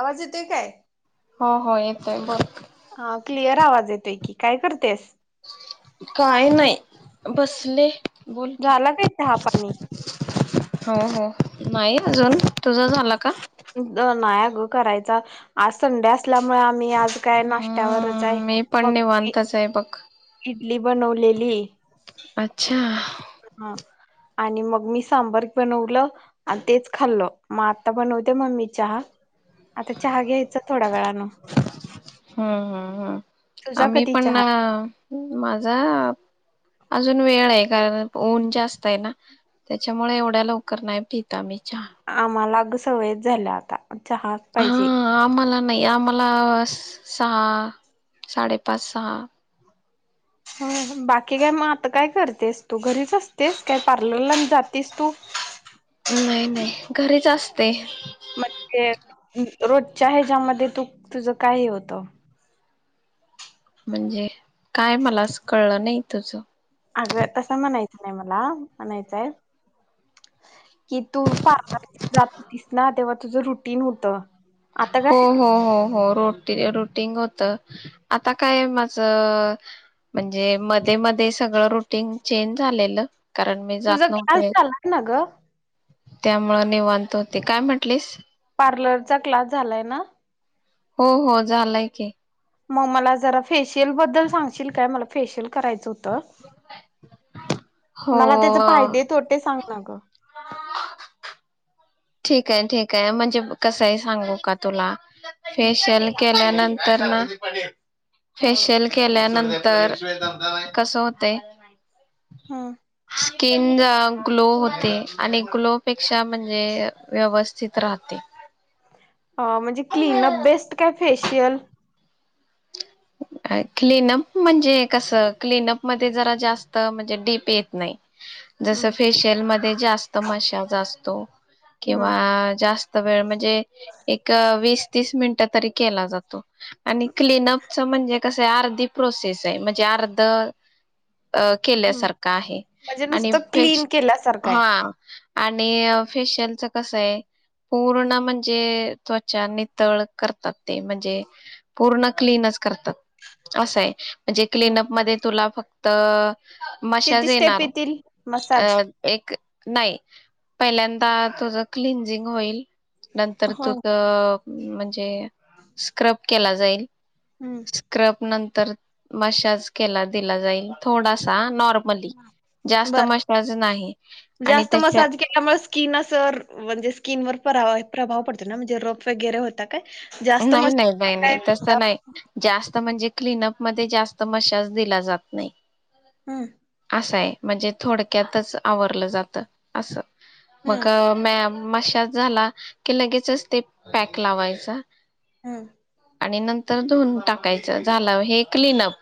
आवाज इतुय काय? हो हो येत आहे बोल हा क्लिअर आवाज येतोय की, काय करतेस? काय नाही बसले. बोल की झाला काय चहा पाणी? हो हो नाही अजून, तुझा झाला का? नाही ग करायचा आज संध्या त्यामुळे आम्ही आज काय नाश्त्यावरचाय हम्म मी पण म निवांतच आहे बघ इडली बनवलेली अच्छा [inaudible] हा आणि मग मी सांबर बनवलं आणि तेच खाल्ल. मग आता बनवते मम्मी चहा, आता चहा घ्यायचा थोड्या वेळानं. हम्म हम् हम. तुझा आम्ही कधी पण चहा? अ माझा आ अजून वेळय कारण ऊन जास्तय ना त्याच्यामुळे एवढ्या लवकर नाही पित आम्ही. चहा आम्हाला सवयच झाल्या आता. चहाच पाहिजे. हा आम्हाला नाही आम्हाला सहा साडेपाच सहा. ह बाकी काय मग आता काय करतेस तू? घरीच असतेस काय? पार्लरला आणि जातेस तू. ते. म्हणजे रोजच्या हयाज्या मध्ये तू तुझ काही होत. म्हणजे? काय मला अस कळलं नाही तुझ. अग तस म्हणायचं नाही मला म्हणायचंय, कि तू पार [unintelligible] जात होतीस ना तेव्हा तुझ रुटीन होत. हो हो हो हो रोट टीन रुटिंग होत आता काय माझं म्हणजे मध्ये मध्ये सगळ रुटीन चेंज झालेलं. कारण मी जात तुझा क्लास झाला ना ग? त्यामुळ निवांत होते. काय म्हटलीस? पार्लरचा क्लास झालाय ना? हो - हो झालाय की. मग मला जरा फेशियल बद्दल सांगशील काय? मला फेशियल करायचं होतं हो मला त्याचे फायदे तोटे सांग ना का ठीक आहे ठीक आहे म्हणजे कसं हाय सांगू का तुला? हम्म, फेशियल केल्यानंत तर ना [unintelligible] हम्म, फेशियल केल्यानं तर कस होतंय? हम स्किन ग्लो होते आणि ग्लोपेक्षा म्हणजे व्यवस्थित राहते अ म्हणजे क्लीन अप बेस्ट काय फेशियल? क्लीनअप म्हणजे कस क्लीनअप मध्ये जरा जास्त म्हणजे डीप येत नाही जस हम्म, फेशियल मध्ये जास्त मशाज असतो तो हम्म, किंवा जास्त त-वेळ-म म्हणजे एक वीस तीस मिनिटं तरी केला जातो आणि क्लीनअप म्हणजे कसय अर्धी प्रोसेस आहे म्हणजे अर्ध अ हम्म. केल्यासारखं आहे म्हणजे आणि नुसतं क्लीन केल्यासारखं फ्रेश--हा आहे आणि अ फेशियलच कस हाय पूर्ण म्हणजे त्वचा नितळचं करतात ते म्हणजे पूर्ण क्लीनचं करतात असंय म्हणजे क्लीनअप मध्ये तुला फक् त-अ किती मशाज स्टेप येणार येतील [unintelligible] अ मसाज एक नाही पहिल्यांदा तुझं क्लिनझिंग होईल नंतर हा. तुझं म्हणजे स्क्रब केला जाईल हम्म स्क्रब नं तर मशाज केला दिला जाईल थोडासा नॉर्मली जास्त बर मशाज नाही आणि जास्त त्याच्या मसाज केल्यामुळेच स्किन अस [unintelligible] म्हणजे स्किनवर बरा वाईट प्रभाव पडतो ना म्हणजे रफ वगैरे होतात नाई नाई नाई नाई तस नाई जास्त म्हणजे क्लीनअप मध्ये जास्त मशाज दिला जात नाइ हम्म. अस हाय म्हणजे थोडक्यातचं आवरलं जात असं हम्म मका मॅम मशाज झाला की लगेचच ते पॅक लावायचा. हम्म. आणि नंतर धुन टाकायचं झालं हे क्लीनअप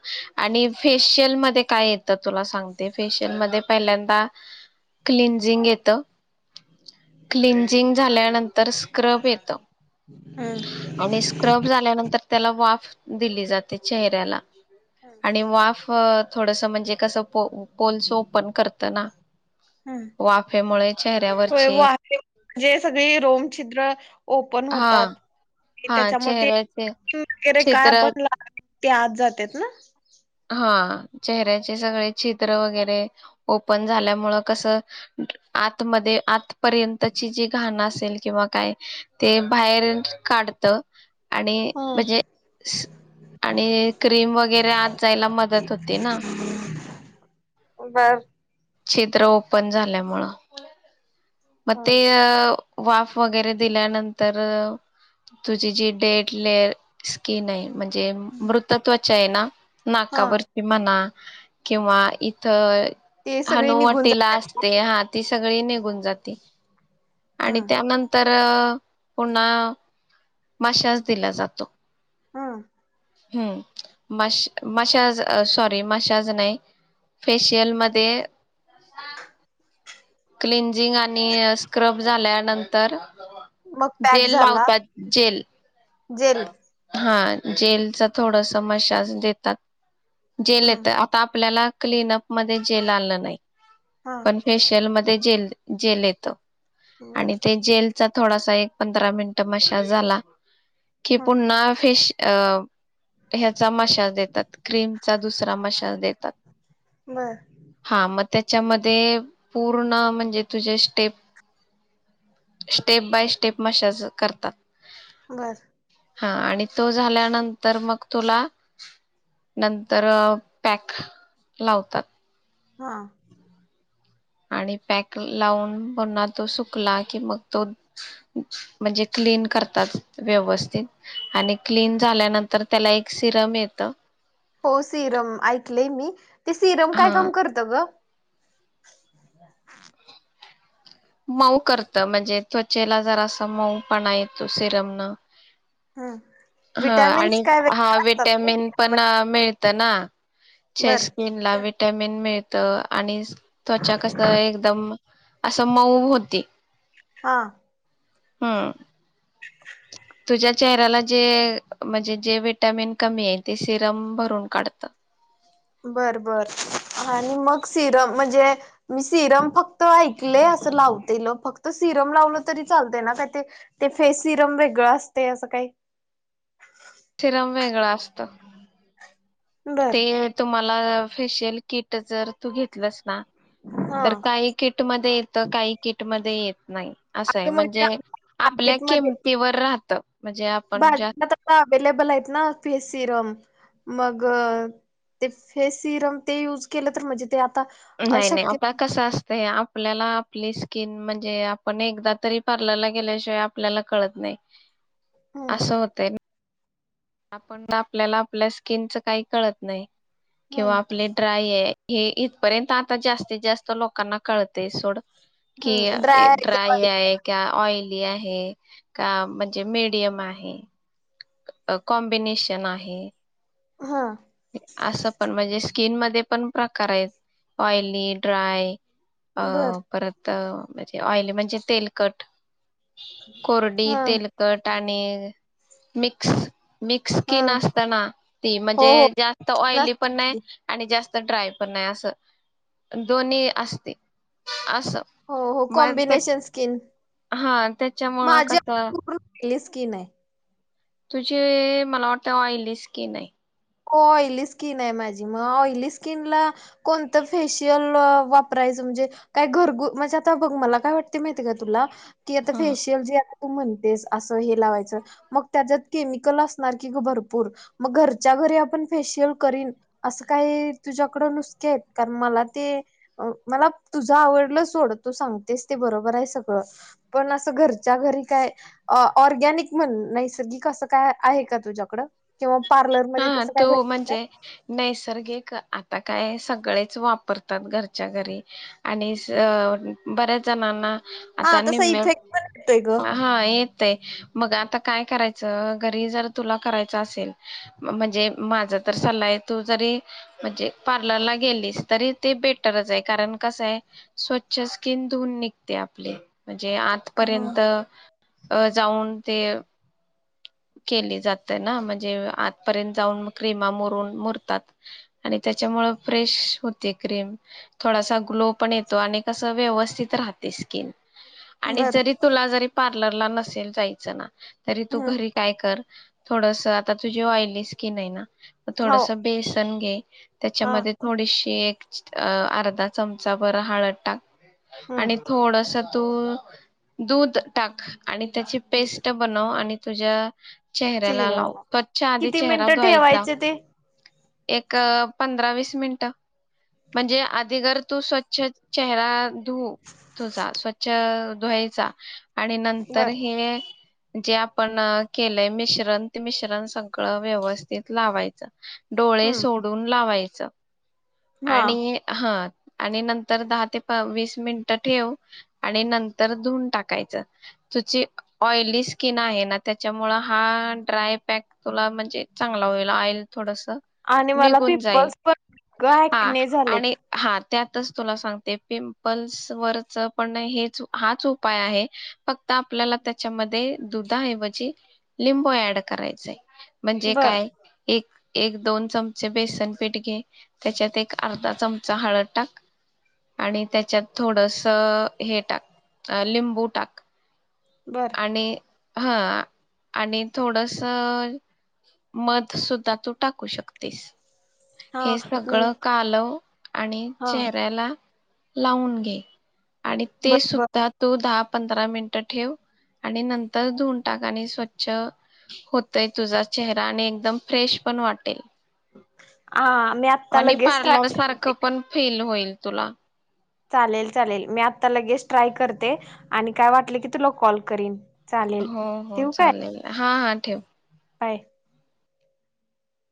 आणि फेशियल मध्ये काय येतं तुला सांगते फेशियल मध्ये पहिल्यांदा क्लिनजिंग येत क्लिनजिंग झाल्यानं तर स्क्रब येत. हम्म आणि स्क्रब झाल्यानंतर त्याला वाफ दिली जाते चेहऱ्याला आणि वाफ अं थोडस म्हणजे कसं पोओ पोल्स ओपन करत ना हम्म, वाफेमुळे होय चेहऱ्यावरचे वाफे म्हणजे सगळी रोमछिद्र ओपन होतात. हा इ हा त्याच्यामुळं ते चेहऱ्याचे तीन किर काय चित्र पण लाव ते आत जातेत ना आ चेहऱ्याचे सगळे छिद्र वगैरे ओपन झाल्यामुळ कसं आतमध्ये आतपर्यंतची जी घाणं असेल किंवा काय ते बाहेर काढत. आणि म्हणजे ह आणि क्रीम वगैरे आत जायला मदत होते ना बर छिद्र ओपन झाल्यामुळं म ह ते अ वाफ वगैरे दिल्यानंतर तुझी जी डेड लेयर स्कीन आहे म्हणजे मृत त्व चा येना हा नाकावरची म्हणा किंवा इथ ते सगळे निघून हनुवटिला जातात. असते हा तिस सगळी निघून जात ते आणि हम्म त्यानंतर र पुन्हा मशाज दिला जातो. हा हम्म मश मशाज सॉरी मशाज नाही फेशियलमध्ये क्लिनझिंग आणि स्क्रब झाल्यानंतर मग पॅक जेल झाला लावतात जेल जेल हा जेलचा थोडस मशाज देतात जेल हम्म येत आता आपल्याला क्लिनप मध्ये जेल आलं नाही हा पण फेशियल मध्ये जेल जेल येत आणि बर ते जेल थोडासा एक पंधरा मिनटं मशाज झाला की हा पुन्हा फेश अ ह्याचा मशाज देतात, क्रीमचा दुसरा मशाज देतात बर हा मग त्याच्यामध्ये पूर्ण म्हणजे तुझे step, step by step massage करतात बर हा आणि तो झाल्यानंतर, मग तुला नंतर पॅक लावतात हा! आणि पॅक लावून पुन्हा तो सुकला कि मग तो म्हणजे क्लीन करतात, व्यवस्थित आणि क्लीन झाल्यानंतर त्याला एक सिरम येत हो सीरम आईकलय मी ते सिरम काय हा काम करतं ग [inaudible] मऊ करत म्हणजे, त्वचेला जर असं मऊपणा येतो सिरम न हम्म हा विटॅमिन्स आणि काय हा वगैरे असतात काय विटॅमिन पण मध्ये? मिळ त्यांना च्या बर स्किनला विट्यामिन मिळ त आणिस त्वचा कस एकदम असं मऊ होते हा! हुं तुझ्या चेहऱ्याला जे, म्हणजे जे विटॅमिन कमी आहे, ते सिरम भरून काढत बर, बर आणि मग सिरम म्हणजे मी सिरम फक्त आइकलय असं लावतेल, फक्त सिरम लावल तरी चालत ना, का ते ते फेस सिरम वेगळं असते असं काही थीरम वेगळ असत बर ते तुम्हा अ फेशियल किट जर तू घेतलंस ना हा तर काही किट मध्ये त काही किटमध्ये येत नाही असं आहे अगं मग ते म्हणजे, आपल्या किमतीवर राहत म्हणजे [unintelligible] आपण ज्या बल हेत ना फेस सिरम, मग ते फेस सिरम, ते युज केलं तर म्हजे नाही नाही आता कसं असतय? आपल्याला आपली स्किन म्हणजे आपण एकदा तरी पार्लरला गेल्याशिवाय आपल्याला कळत नाही हम्म असं होतय आपण आपल्याला आपल्या स्किनचं काही कळत नाही किंवा हम्म आपले ड्राय आहे हे इथपर्यंत आता जास्तीत जास्त लोकांना कळतय सोड कि ड्राय आहे की ऑइली आहे का म्हणजे मीडियम आहे कॉम्बिनेशन आहे हा असं पण म्हणजे स्किन मध्ये पण प्रकार आहेत ऑइली ड्राय अ बर परत म्हणजे ऑइली म्हणजे तेलकट कोरडी हा तेलकट आणि मिक्स मिक्स हा स्किन असत ना ती हो हो म्हणजे तर स्किन ऑयली असते पण नाही आपली. आणि जास्त ड्राय पन नाही अस दोन्ही असते असं हो हो मग कॉम्बिनेशन स्किन हा त्याच्यामुळं माझी कसं? पूर्ण ऑईली स्कीन आहे तुझी मला वाटतं ऑईली स्कीन आहे हो ऑइली स्किन आहे माझी मग ऑइली स्किनला कोणतं फेशियल वापरायचं म्हणजे काय? घरगु म्हणजे आता बघ मला काय वाटते माहितीय का तुला? कि आता हम्म फेशियल जे तू म्हणतेस अस हे लावायच मग त्याच्यात केमिकल असणार की भरपूर मग घर च्या घरी आपण फेशियल करीन असं काही तुझ्याकड नुस्के आहेत का? मला ते मला तुझ आवडलं सोड तू सांगतेस ते बरोबर आहे सगळं पण असं घरच्या घरी काय ऑर्गॅनिक म्हण नैसर्गिक असं काय आहे का? तुझ्याकड किंवा पार हा तो म्हणजे नैसर्गिक आ आता काय सगळेच वापरतात घरच्या घरी आणि स बऱ्याच जणांना हा आता तसा निम्म्या इफेक्ट पण होतोय ग हा येतय मग आता काय करायचं? घरी जर तुला करायचं असेल? म्हणजे माझा तर सल्ला आहे तू जरी म्हणजे पार्लरला गेलीस तरी ते बेटरच आहे कारण कसं आहे स्वच्छ स्किन धुऊून निघते आपली म्हणजे हं आतपर्यंत अ जाऊन ते केली जाते ना म्हणजे आत त पर्यंत जाऊन क्रीमा मुरुन मुरतात आणि त्याच्यामुळे फ्रेश होते क्रीम थोडासा ग्लो पण येतो आणि कस? व्यवस्थित राहते स्किन आणि बर जरी तुला जरी, पार्लर ला नसेल जायचं ना, तरी तू हं घरी काय कर. थोडस आता तुझे ऑई ली स्किन आहे ना. म हो थोडस बेसन घे, हा त्याच्यामध्ये थोडीशीे एक, अ अर्धा चमचाभर हळद टाक. हम्म आणि थोडसं तू दूध टाक. आणि त्याची पेस्ट बनव आणि तुझ्या चेहऱ्याला लाव. [unintelligible] च्या आधी ती चेहरा मिनिटं धुवायचा ठेवायचं ते? एक पंधरा वीस मिनिट. म्हणजे आधी जर तू स्वच्छ चेहरा अ धु तुझा. स्वच्छ अ धुवायचा, आणि नंतर बर हे, जे आपण केलंय मिश्रण ते मिश्रण सगळं व्यवस्थित लावायचं. डोळे हम्म सोडून लावाय च. हा आणि हां आणि नंतर दहा ते पा अ वीस मिनिटं ठेव आणि नंतर धुऊन टाकायचं. तुची ऑइली स्किन आहे ना, त्याच्यामुळे हा ड्राय पॅक तुला म्हणजे चांगला होईल ऑइल थोडस आणि मला पिंपल्स पण ग [unintelligible] हा आणि हा. त्यातच तुला सांगते पिंपल्स वरच पण हेच हाच उपाय आहे फक्त आपल्याला त्याच्यामध्ये दुधा ऐवजी लिंबू ऍड करायचय. म्हणजे बर काय? एक एक -दोन चमचे बेसन पीठ घे. त्याच्यात एक अर्धा चमचा हळद टाक आणि त्याच्यात थोडस अ हे टाक, लिंबू टाक. बर आणि हा आणि थोडस अ मध सुद्धा तू टाकू शकतेस. हा हे मी सगळं कालव. आणि हा चेहऱ्याला लावून घे. आणि ते बर बर सुद्धा तो दाब पंधरा मिनटं ठेव. आणि नंतर धुन टाका आणि स्वच्छ होतय तुझा चेहरा आणि एकदम फ्रेश पण वाटेल. हा, मी आत्ता आणि लगेच पार्लर ट्राय करते सारखं पण फेल होईल तुला. चालेल चालेल मी आता लगेच ट्राय करते आणि काय वाटल की तुला कॉल करीन. चालेल हो हो चालेल हा हा ठेव. पाय